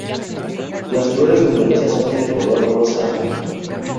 Las flores numerosas son de color rosa-amarillo.